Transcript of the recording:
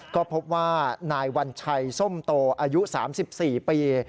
ก็พบว่านายวัญชัยส้มโตอายุ๓๔ปี